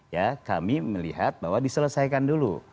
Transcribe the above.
ya kami melihat bahwa diselesaikan dulu